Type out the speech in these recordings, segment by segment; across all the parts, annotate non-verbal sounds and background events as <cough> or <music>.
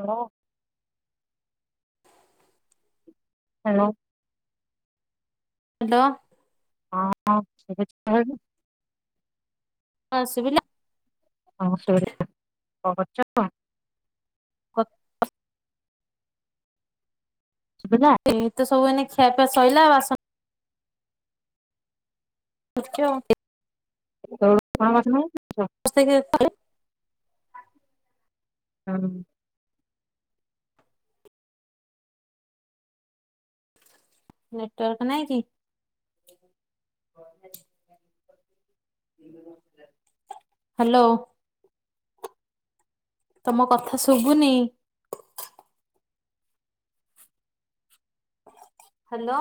ହୋ। Hello. Hello. ହଁ ସେ। <unintelligible> ହଁ ସୁଭିଲା? ହ ସେ କର୍ଚ କଣ?। <unintelligible> <inaudible> ଶୁଭିଲା ସେଇ ତ ସବୁ ଖୀ ଖିଆ ପିଆ ଶଇଲା, ବାସନ <unintelligible> ତ <inaudible> <unintelligible> ହଁ। ନେଟୱର୍କ ନାହିଁ କି? ହାଲୋ। ତମ କଥା ଶୁଭୁନି। ହାଲୋ।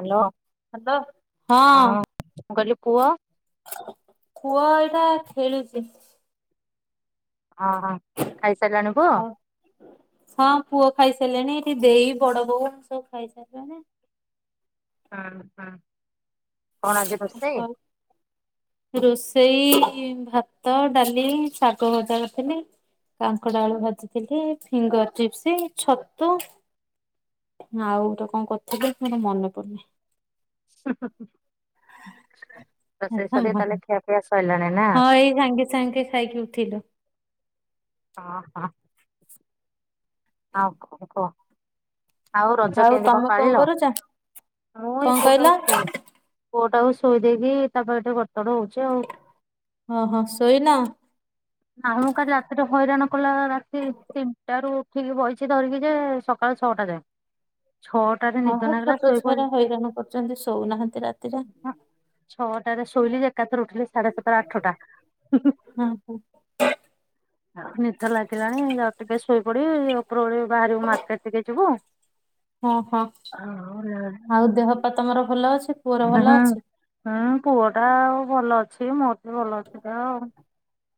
ହ୍ୟାଲୋ। ହାଲୋ ହଁ। ମୁଁ କହିଲି ପୁଅ। ପୁଅ ଏଇକା ଖେଳୁଛି। ଅହ ଖାଇସାରିଲାଣି ପୁଅ? ହଁ ହଁ ପୁଅ ଖାଇସାରିଲେଣି, ଏଠି ଦେଇ ବଡବୋଉ ସବୁ ଖାଇସାରିଲେଣି। ହୁଁ ହୁଁ। ରୋଷ ଏଇ ଭାତ, ଡାଲି, ଶାଗଭଜା କରିଥିଲି କାଙ୍କଡଆଳୁ ଭାଜିଥିଲି, ଫିଙ୍ଗରଚିପ୍ସ, ଛତୁ ଆଉ ଗୋଟେ କଣ କରଥିଲି, ମୋର ମନେ ପଡୁନି। ହୁଁ ହୁଁ ହୁଁ। ସେ ସବିଏ ତାହେଲେ ଖିଆପିଆ ସଇଲା? ହଁ ଏଇ ସାଙ୍ଗେ ସାଙ୍ଗେ ଖାଇକି ଉଠିଲୁ। ହଁ ହଁ। ହଁ କଣ କୁହ? ଆଉ ରଜ କେମିତି କଣ ପାଳିଲ? ମୁଁ ଏଇ କଣ କହିଲ? ପୁଅଟାକୁ ଶୁଣ ପୁଅଟାକୁ ଶ ଶୋଇ ଦେଇକି ତାପାଖେ ଗଡତଡ ହଉଛି ଆଉ। ହଁ ହଁ ଶୋଇନ? ନାମ କାଲି ରାତିରେ ହଇରାଣ କଲା ରା ସେ ତିନଟାରୁ ଉ ଠିକ ବଇଛି ଧରିକି ଯେ, ସକାଳ ଛଅଟା ଯାଏ। ଛଅଟାରେ ହଁ ନିଦ ହଁ ନାଗିଲା ଛୋଟ ଶୋଇପଡିଲି ଛୁଆହେରା ହଇରାଣ କରୁଛନ୍ତି ଶୋଉନାହାନ୍ତି ରାତିରେ। ତା ରେ ଶୋଇଲି ଯେ ଏକାଥରେ ଉଠିଲି ସାଢେ ସାତଟା ଆଠଟା। ହଁ ହଁ ହଁ ନିଦ ଲାଗିଲାଣି ଯାଉଛି ଟିକେ ଶୋଇପଡିବି ଉପରବେଳି ବାହାରିବୁ ମାର୍କେଟ ଟିକେ ଯିବୁ ଆଉ। ହଁ ହଁ ଆଉ ଦେହ ପା ତମର ଭଲ ଅଛି? ପୁଅର ଭଲ ହୁଁ ଅଛି? ହୁଁ ପୁଅ ଟା ଆଉ ଭଲ ଅଛି, ମୋରବି ଭଲ ଅଛି ଦେହ ଆଉ।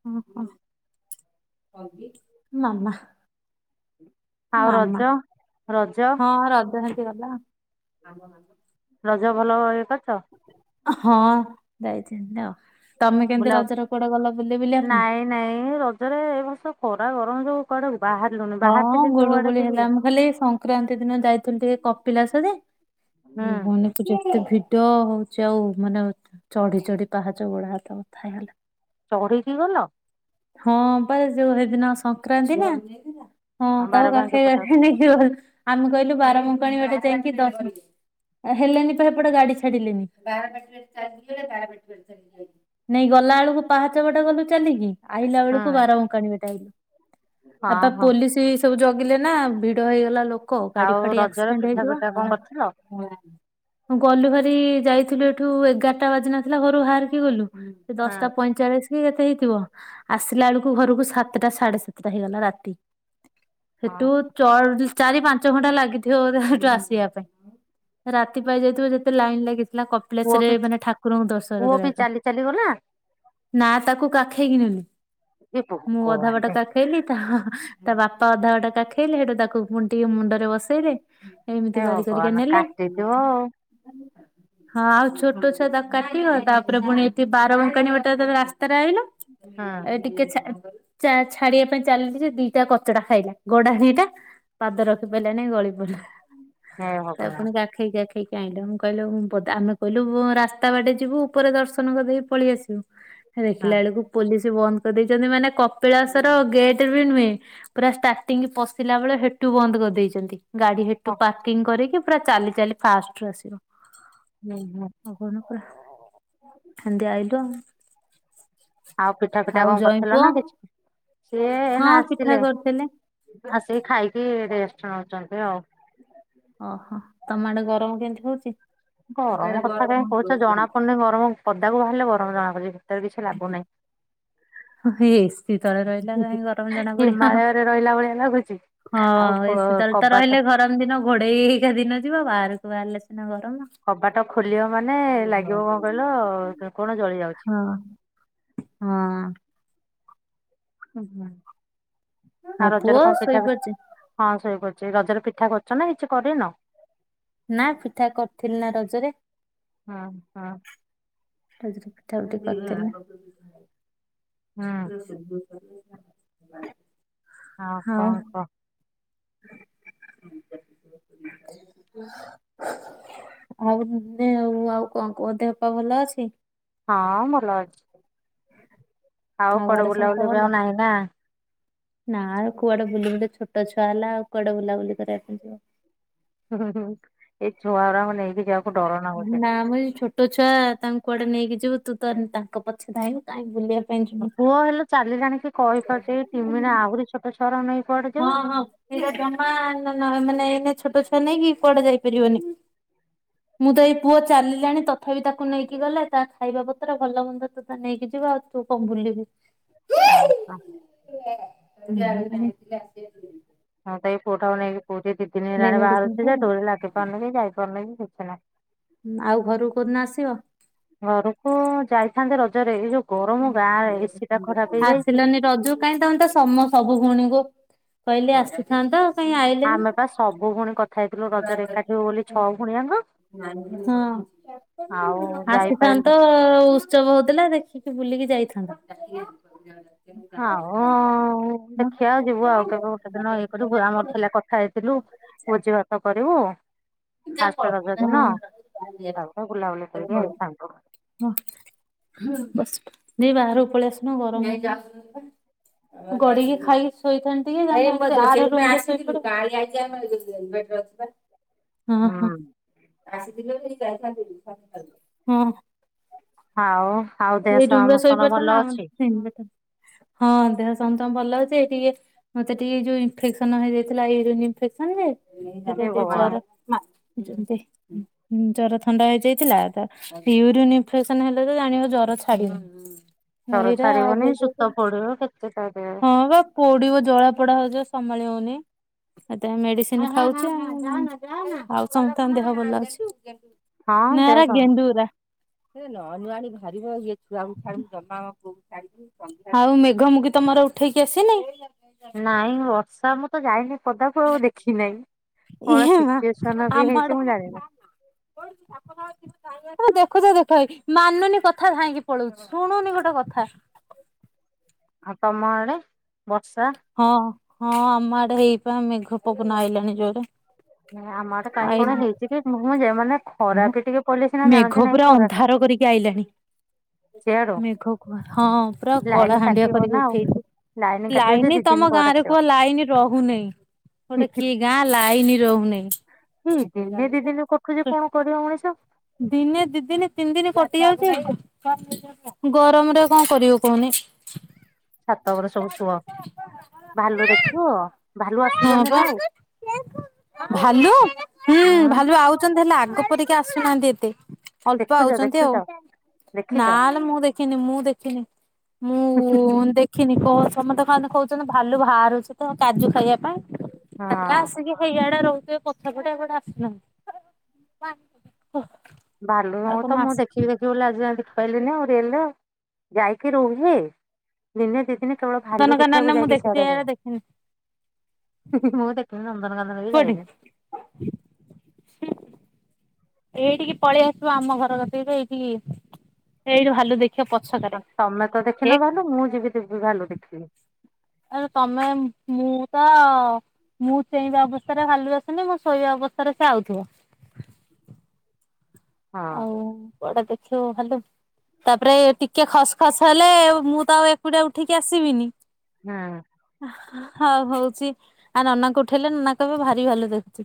ହଁ ହଁ ନା ନା। ଆଉ ରଜ ରଜ। ହେଲା। ରଜ ଭଲରେ ଏକରିଛ। ହଁ ଯାଇଥିନ୍ତି ଆଉ। ତମେ କେମିତି ବୁଲାଅ ରଜରେ କୁଆଡେ ଗଲ ବୁଲି ବୁଲିବା ପାଇଁ? ନାଇଁ ନାଇଁ ରଜରେ ଏ ବର୍ଷ ଖରା ଗର କଣ ସବୁ କରିବୁ? ହଁ ଗୁଳୁଗୁଳି ହେଲା ମୁଁ ଖାଲି ଏ ସଂକ୍ରାନ୍ତି ଦିନ ଯାଇ ଫୁଣଟିକେ କପିିଲାସ ଯେ। ହୁଁ ମୋ ଭଉଣୀକୁ ଯେତେ ଫିଟ ଡ ହଉଛି ଆଉ ମାନେ ଚଢି ଚଢି ପାହାଚ ଗୋଡ ହାତ ବଥା ହେଇଗଲା। ଚଢିକି ଗଲ? ହଁ ପା ଯଉ ହେ ଦିନ ସଂକ୍ରାନ୍ତି ନା। ହଁ ତାକୁ ବାର ବାଙ୍କି କାଖେଇ ପଟ କାଖେଇ ନେଇକି ଗ ଆମେ କହିଲୁ ବାରବଙ୍କାଣୀ ବାଟେ ଦେଇଁକି ଦର୍ଶ ହେଲେନି ପା ହେପଟେ ଗାଡି ଛାଡିଲେନି ନାଇଁ ଗଲା ବେଳକୁ ପାହାଚ ଗଟେ ଗଲୁ ଚାଲିକି ଆ ଆଇଲା ହୁଁ ବେଳକୁ ବାରବଙ୍କାଣି ବାଟେ ଆଇଲୁ। ହଁ ହଁ। ଏଇ ସବୁ ଜଗିଲେ ନା ଭିଡ ହେଇଗଲା ଲୋକ କ ଗାଡି ଆଉ ଫାଡି ରଜରେ ଆକ୍ସିଡେଣ୍ଟ ପିଠା ହେଇଥିବ ପିଠା କଣ କରିଥିଲ? ହଁ ଗଲୁ ଭାରି ଯାଇ ଥିଲୁ ଏଠୁ ଏଗାରଟା ବାଜି ନଥିଲା ଘରୁ ଭାରିକି ଗଲୁ। ସେ ହଁ ଦଶଟା ପଇଁଚାଳିଶ କି କେତ କେତେ ହେଇଥିବ। ଆସିଲା ବେଳକୁ ଘରକୁ ସାତଟା ସାଢେ ସାତଟା ହେଇଗଲା ରାତି। ହେଟୁ ହଁ ଚର୍ଜ ଚାରି ପାଞ୍ଚ ଘଣ୍ଟା ଲାଗିଥିବ ବଧେ ସେଠୁ ଆସିବା ପାଇଁ। ରାତି ପାହି ଯାଇଥିବ ଯେତେ ଲାଇନ୍ ଲାଗିଚି। ଥିଲା ପୁଅ କପିଳାଶରେ ବି ମାନେ ଠାକୁରଙ୍କୁ ଦର୍ଶନ ପୁଅ ବି କରିବା ପାଇଁ। ଚାଲି ଚାଲିଗଲା ନା ତାକୁ କାଖେଇକି ନେଲି। ଏ ମୁଁ ଅଧା ଭଗବାନ ବାଟ ହେ କାଖେଇଲି ତା। ତା ବାପା ଅଧା ବାଟ କାଖେଇଲେ ହେଟୁ ତାକୁ ପୁଣି ଟିକେ ମୁଣ୍ଡରେ ବସେଇଲେ। ଏମିତି ହେ କରି କରିକା ଭଗବାନ ନେଲେ କାଟିଥିବ ଆଉ। ହଁ ଆଉ ଛୋଟ ଛୁଆ ତାକୁ କାଖେଇବ ତାପରେ ପୁଣି ଏଠି ବାରବଙ୍କାଣି ବାଟେ ଯେତେବଳେ ରାସ୍ ସ୍ତା ରେ ଆଇଲା ହୁଁ ଏ ଟିକେ ଛା ଚା ଛାଡ଼ିବା ପାଇଁ ଚାଲିଛି ଯେଦି। କଚଟା ଖାଇଲା ଗଡାଣି ହେଇଟା ପାଦ ରଖି ପା ରିଲାନି ଗଳି ପଡ଼ିଲା। ହେ ତାକୁ ଭଗବାନ ପୁଣି କାଖେଇ କାଖେଇ। ଖେଇକି ଆଣିଲେ। ମୁଁ କହିଲି ହଉ-ଆମେ କହିଲୁ ରାସ୍ତା ବାଟେ ଯିବୁ ଉପରେ ଦର୍ଶନ କରିଦେଇକି ପଳେଇ ଆସିବୁ। ହେଲେ ଦେଖିଲା ହଁ ବେଳକୁ ପୋଲିସ। ସେଠୀ ବନ୍ଦ କରିଦେଇଛନ୍ତି ମାନେ କପିଳାସର ଗେଟ ବି ନୁହେଁ। ପୁରା ଷ୍ଟାର୍ଟିଂ ପଶିଲା ବେଳେ ହେଟୁ ବନ୍ଦ କରିଦେଇଛନ୍ତି। ଗାଡି ହେଟୁ ହଁ ପାର୍କିଂ କରିକି। ପୁରା ଚାଲି ଚାଲି ଫାଷ୍ଟୁରୁ ଆସିଲୁ। ନାଇଁ ହଁ। <unintelligible> ହେନ୍ତି ଆଇଲୁ ଆଉ। ଆଉ ପିଠା ପିଠା ଆଉ କଣ ଜଇଁ କରିଥିଲ ପୁଅ ନା କିଛି ନାହିଁ ସିଏ ହଁ ଏନା ଆସି। ପିଠା ଥିଲେ କରିଥିଲେ ଆସିକି ଖାଇକି ରେଷ୍ଟ। ସୋଇଛନ୍ତି ଆଉ। ଓହୋ ତମ ଆଡେ ଗରମ କେମତି ହଉଛି। ଗରମ କଥା କାହିଁ କହୁଛ ଜଣା ପଡୁନି ଗରମ। ପଦାକୁ ବାହାରିଲେ ଗରମ ଜଣା ପଡୁଛି ଭିତରେ କିଛି ଲାଗୁନାହିଁ। ଏସି ତଳେ ରହିଲା କାହିଁ ଗରମ ଜଣା ପଡିବ ହିମାଳୟରେ ରହିଲା ଭଳିଆ ଲାଗୁଛି ଆଉ ହଁ ଏସି ତଳେ ତ କବାଟ ରହିଲେ ଗରମ ଦିନ ଘୋଡେଇ ହେଇ ହେଇକାଦିନ ଯିବ ବାହାର ବାହାରିଲେ ଗରମ କବାଟ ଖୋଲଅ ମାନେ ଲାଗିବ କଣ କହିଲ କଣ ଜଳି ଯାଉଛି ହଁ ହଁ ହୁଁ ହୁଁ ହଁ ପୁଅ ଶୋଇପାଡିଛି ପଡିଛି ରଜରେ ପିଠା କରୁଛ ନା କିଛି କରିନ ନା ପିଠା କରିଥିଲି ନା ରଜରେ ହୁଁ ହୁଁ ରଜରେ ପିଠା ପିଠୀ କରିଥିଲି ହୁଁ ଚିକୁ ର ସବ <unintelligible> ହଁ କଣ କହ ଆଉ ନେ ଆଉ ଆଉ କଣ କୁ ଦେହପା ଭଲ ଅଛି ହଁ ଭଲ ଅଛି ଆଉ କୁଆଡ଼େ ଘରେ ସମସ୍ତେ ବୁଲାବୁଲି ଏବେ ଆଉ ଭଲ ନାହିଁ ନା ନା ଆଉ କୁଆଡେ ବୁଲି ବୁଲି ଛୋଟ ଛୁଆ ହେଲା ଆଉ କୁଆଡେ ବୁଲାବୁଲି କରିବା ପାଇଁ ଯିବ। ହୁଁ ହୁଁ ଏଇ ଛୁଆ ଗୁରାଙ୍କୁ ନେଇକି ଜିଆ ନା ମ ଏଇ ଯଉ ଛୋଟ ଛୁଆ ତାଙ୍କୁ କୁଆଡେ ନେଇକି ଯିବୁ ତୁ ତ ତାଙ୍କ ପଛ ଧାଇଁବୁ କାଇଁ ବୁଲିବାକୁ ପୁଅ ହେଲେ ଚାଲିଲାଣିକି କହିପାରୁଚି କି ଟିମିଣି ଆହୁରି ଛୋଟ ଛୁଆ ଛୁଆଆରାଙ୍କୁ ନେଇ କୁଆଡେ ହଁ ଯିବୁ। ହଁ ଏଇରା ଜମା ଆଣ ନା ମାନେ ଏଇନେ ଛୋଟ ଛୁଆ ନେଇକି କୁଆଡେ ଯାଇପାରିବନି ମୁଁ ତ ଏଇ ପୁଅ ଚାଲିଲାଣି ତଥାପି ତାକୁ ନେଇକି ଗଲେ ତା ଖାଇବା ପତ୍ର ଭଲ ମନ୍ଦ ତ ତା ନେଇକି ଯିବ ଆଉ ତୁ କଣ ବୁଲିବୁ। ଉଁ ହୁଁ। ପିଲା ରହିବେନି ପିଲା ହଁ <unintelligible> ପୁଅ ଟା କୁ ନେଇକି ପୁରୀ ଦି ଦିନି ଦେଇ ହେଲାଣି ମେଡିସିନ ବାହାରୁଚି ଯେ ଖାଇଲା ଡୋରି ଲାଗିପାରୁନି କି ଯାଇପାରୁନି କି କିଛିନା ଆଉ ଘରକୁ କୋଉଦିନ ଆସିବ? ଥାନ୍ତି ରଜରେ ଏ ଯୋଉ ଗରମ ଗାଁରେ ଏସି ଟା ଖରାପ ହେଇଯାଇଛି। ଆସିଲନି ରଜକୁ କାଇଁ ତମେ ତ ସମ ସବୁ ଭଉଣୀଙ୍କୁ କହିଲି ଆସିଥାନ୍ତ। କାଇଁ ଆଇଲେନି। ଆମେ ପା ସବୁ ଭଉଣୀ କଥା ଖାଇଥିଲୁ ରଜରେ ଏକାଠି ହଉ ବୋଲି ଛଅ ଭଉଣିଆଙ୍କ। ହୁଁ ଯାଇପାଇଲୁ ଆସିଥାନ୍ତ ଉତ୍ସବ ହଉଥିଲା ଦେଖିକି ବୁଲିକି ଯାଇ ଥାନ୍ତ। ଆଉ ହଁ ଦେଖିଆ ଯିବୁ ଆଉ କେବେ ଗୋଟେ ଦିନ ଇଏ କରିବୁୁ ମର ଥିଲେ କଥା ହେଇଥିଲୁ ଭୋଜି ଭାତ କରିବୁ। <inaudible> ଦେଇ ଫାଷ୍ଟ ରଜ ବାହାରୁକୁ ଦିନ ତାପରେ ବୁଲାବୁଲି କରିକି ଆଇଥାନ୍ତୁ। ପଳେଇ ଆସୁନ ଗରମ ହୋଉଛି ଗଡିକି ଖାଇ ଶୋଇଥାନ୍ତି ଟିକେ <inaudible> ହଁ ହଁ। ହୁଁ ଆସିଥିଲେ ସେ ଯାଇଥାନ୍ତି ଖାଇଥାନ୍ତି ହଁ। ଆଉ ଆଉ ଦେହ ଏଇ ରୁମରେ ସମସ୍ତଙ୍କର ଶୋଇପାଡି ଭଲ ଥାନ୍ତ ଅଛି ନା ହଁ ଦେହ ସମସ୍ତ ଭଲ ହଉଛି ଟିକେ ମତେ ଟିକେ ଯୋଉ ଇନଫେକ୍ସନ ହେଇଯାଇଥିଲା ୟୁରିନ ଇନଫେକ୍ସନ ଯେ ହେ ଭଗବାନ। <unintelligible> ତି ଜର ଥଣ୍ଡା ହେଇଯାଇଥିଲା ତ ୟୁରିନ ଇଲେକ୍ସନ ହେଲେ ତ ଜାଣିବ ଜର। ଛାଡ଼ି ନେଇ। ଜର ଏଇଟା ଛାଡିବନି ଶୂତ ହେଇଯାଉଛନି ପଡିବ କେତେ କହିଦେବେ ହଁ ପା ପୋଡିବ ଜଳା ପୋଡା ହଉ। ସମ୍ଭାଳି ହଉନି ଏ ମେଡିସିନ ଖାଉଛି ଆଉ ସମସ୍ତଙ୍କ ଦେହ ଭଲ ଅଛି। ନା ହଁ ଦେହ ଏରା ସମ ଗେଣ୍ଡୁ ଗୁରା। ସେ ନ ନୁଆଣି ଭା ରିବ ଇଏ ଛୁଆ ଙ୍କୁ ଛାଡିକି ଆଉ ମେଘ ମୁଗୀ ତମର ଉଠେଇକି ଆସିନି? ନାଇଁ ବର୍ଷା ମତେ ତ ଯାଇନି। ପଦାକୁଆଉ ଦେଖି ନାହିଁ କଣ ଇଏ ମା ସିଚୁଏସନ ବି ଆମ ଆଡେ ହେଇଛି ମୁଁ ଜାଣିନି। ଦେଖୁଛ ଦେଖ ମାନୁନି କଥା ଧାଇଁକି ପଳଉଛି ଶୁଣୁନି ଗୋଟେ କଥା। ଆଉ ତମ ଆଡେ? ବର୍ଷା। ହଁ ହଁ ଆମ ଆଡେ ହେଇ ପା ମେଘ ପବନ ଆଇଲାଣି ଯୋରେ। ନାଇ ଆମ ଆଡେ କାଇଁ କଣ ହେଇଚି କି ମୁଁ କି ଯଉ ମାନେ ଖରା ବି ଟିକେ ପଡିଲେ ସିନା ଜାଣନ୍ତି ମେଘ ନାଇଁ ପୁରା ଖରା ଟା। ଅନ୍ଧାର କରିକି ଆଇଲାଣି ସେଆଡୁ ମେଘ କୁ ହଁ ପୁରା କଳା ଲାଇନ ହାଣ୍ଡିଆ କାଟିବ କରିକି ନା ଆଉ ଉଠେଇଛି କାଟିବ ଯେ ଲାଇନ ଦି ଦିନ ତମ ପରେ ଗାଁରେ ଆସିବ। କୁହ ଲାଇନ ରହୁନେଇଁ ଗୋଟେ କିଏ ଗାଁ ଲାଇନ ସେ ଦିନେ ଦି ଦିନେ କଟୁଚି କଣ କରିବ ମଣିଷ? ତ ଦିନେ ଦି ଦିନ ତିନି ଦିନ କଟି ଯାଉଛି। ଗରମରେ ଆଉ କଣ କରିବ କୁହନି। ଛାତ ଉପରେ ସବୁ ସୁଅ ଭାଲୁ ଦେଖିବ। ଭାଲୁ ହଁ ଆସୁଚନ୍ତି ପା। ନା ଆଉ? ଭାଲୁ। ହୁଁ, ଭାଲୁ ଆଉଛନ୍ତି ହେଲେ ଆଗ ପରିକା ଆସ ସୁ ନାହାନ୍ତି ଏତେ। ଅଳ୍ପ ଦେଖୁଛ ଆଉଚନ୍ତି ଦେଖୁଛ ଆଉ। ଦେଖିଛ। ନା ଲୋ ମୁଁ ଦେଖିନି, ମୁଁ ଦେଖିନି, ମୁଁ ଦେଖିନି, କ ସମସ୍ତେ ତ କଣ ଏବେ କହୁଚନ୍ତି ଭାଲୁ ବାହାରୁଛି ତ କାଜୁ ଖାଇବା ପାଇଁ। ତାହେଲେ ହଁ ଆସିକି ହେଇଆଡେ ରହୁ ସେ ପଛ ପଟେ ଏପଟେ ଆସୁନା ଭାଲୁ ମୁଁ ତ ମୁଁ ଦେଖିବି ଦେଖିବି ବୋଲି ଆଜି ଯାଏଁ ଦେଖି କହିଲି ନା ମୁଁ ରିଅଲ୍ ର ଯାଇକି ରୁହେ। ଦିନେ ଦି ଦିନେ କେବଳ ଭାଲୁ ନନ୍ଦନକାନନରେ ଦେଖିବାକୁ ମୁଁ ଯାଇକି ଦେଖିଛି ସିଆଡେ ରୁହେ। ଏଇଆଡେ ଦେଖିନି ମୁଁ ଦେଖିନି ଜମ ନନ୍ଦନକାନନ ବି କୋଉଠି? ଯାଇନି। ଏଇଟିକି ପଳେଇ ଆସିବ। ଆମ ଘର କତିକି ତ ଏଇଟିକି ଏଇଟି ଭାଲୁ ଦେ ତୋମେ ତ ଦେଖିନ ଭାଲୁ। ମୁଁ ଯିବି ଯିବି ଭାଲୁ ଦେ <unintelligible> ଆରେ ତୋମେ ମୁଁ ତ ମୁଁ ଚେଇଁବା ଅବସ୍ଥାରେ ଭାଲୁ ଆସୁନି। ମୁଁ ଶୋଇବା ଅବସ୍ଥାରେ ସେ ଆଉଥିବ। ହଁ ଆଉ କୁଆଡେ ଦେ ଖିବ ହାଲୋ, ତାପରେ ଏ ଟିକେ ଖସ୍ ଖାସ୍ ହେଲେ ମୁଁ ତ ଆଉ ଏକୁଟିଆ ଉଠିକି ଆସିବିନି। ହଁ। ହଁ ହଉଛି ଆ ନନାଙ୍କୁ ଉଠେଇଲେ ନନା କହିବେ ଭାରିଭାଲୁ ଦେଖୁଚୁ।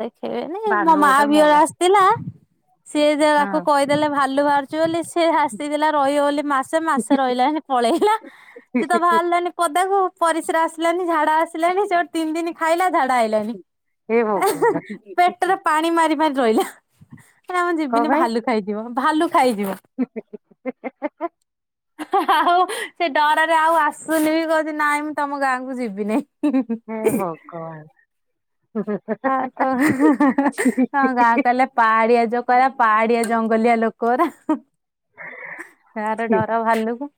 ଦେଖେ ନାଇଁ ମୋ ଭାଲୁ ମାଆ ଗୋଟେ ବିଅର ହଁ ଆସିଥିଲା ସିଏ ଯୋଉ ଆକୁ କହିଦେଲେ ଭାଲୁ ବାହାର ଚୋଲିସି ସେ ହାସିଥିଲା ରହିବ ବୋଲି ମାସେ। ମାସେ ରହିଲାନି ପଳେଇଲା। ସେ ତ ବାହାରିଲାନି ପଦାକୁ। ପରିସ୍ରା ଆସିଲାନି ଝାଡ଼ା ଆସିଲାଣି ଯୋଉ ତିନି ଦିନି ଖାଇଲା ଝାଡ଼ା ଆଇଲାନି। ହେ ଭଗବାନ। ପେଟରେ ପାଣି ମାରିବା ରହିଲା। ଏ ନା ମୁଁ କଣ ଯିବିନି ପାଇଁ ଭାଲୁ ଖାଇଯିବ। ଭାଲୁ ଖାଇଯିବ। ଆଉ ସେ ଡରରେ ଆଉ ଆସୁନି ବି କହୁଚି ନାଇଁ ମୁଁ ତୋମ ଗାଁକୁ ଯିବିନି। ହଁ ହଉ। ଆଉ କ ହଁ ଗାଁ କହଲେ ପାହାଡିଆ ଯ କରରା ପାହାଡିଆ ଜଙ୍ଗଲିଆ ଲୋକର ଏାର ଡର ଭାଲୁ।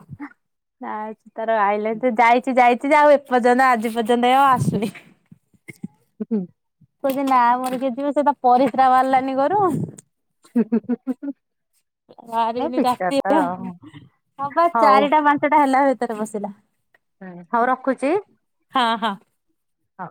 ଆ ତାର ଆଇିଲ ଯାଇଛି ଯାଇ। ଯଦି ଆଉ ଏପର୍ଯ୍ୟନ୍ତ ଆଜି ପର୍ଯ୍ୟନ୍ତ ଆଉ ଆସୁନି। ହୁଁ। କିଲ ନା ମୋର ଯ ଯିବ ସେଟ ପରିସ୍ରା ବାହାରିଲାନି ଘରୁ ଆ ବାାରିବିନି ରାତି ହବା ଚାରିଟା ପାଞ୍ଚଟା ହେଲା ତର ବସିଲ। ହଁ ହଉ ରଖୁଛି। ହଁ। ହଁ।